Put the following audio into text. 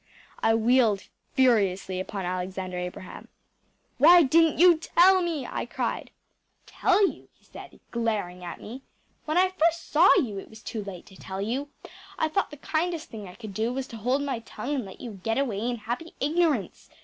I wheeled furiously upon Alexander Abraham. “Why didn’t you tell me?‚ÄĚ I cried. “Tell you!‚ÄĚ he said, glaring at me. “When I first saw you it was too late to tell you. I thought the kindest thing I could do was to hold my tongue and let you get away in happy ignorance.